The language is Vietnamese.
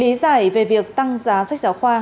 lý giải về việc tăng giá sách giáo khoa